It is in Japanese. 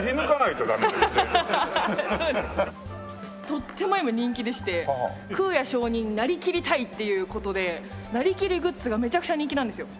とっても今人気でして空也上人になりきりたいっていう事でなりきりグッズがめちゃくちゃ人気なんですよ。